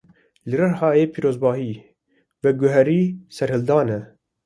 Li Rihayê pîrozbahî, veguherî serhildanê